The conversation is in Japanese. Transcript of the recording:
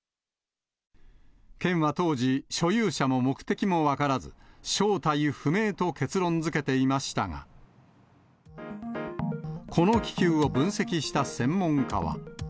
県は当時、所有者も目的も分からず、正体不明と結論づけていましたが、この気球を分析した専門家は。